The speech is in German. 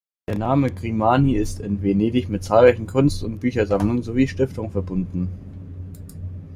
Der Name Grimani ist in Venedig mit zahlreichen Kunst- und Büchersammlungen sowie Stiftungen verbunden.